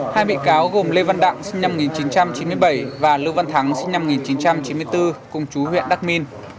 hai bị cáo gồm lê văn đặng sinh năm một nghìn chín trăm chín mươi bảy và lưu văn thắng sinh năm một nghìn chín trăm chín mươi bốn cùng chú huyện đắc minh